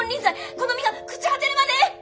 この身が朽ち果てるまで！